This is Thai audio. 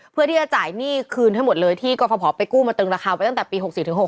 เพื่อที่จะจ่ายหนี้คืนให้หมดเลยที่กรพไปกู้มาตึงราคาไปตั้งแต่ปี๖๔๖๖